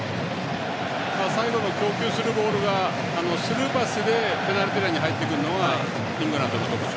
サイドの供給するボールがスルーパスでペナルティーエリアに入ってくるのがイングランドの特徴。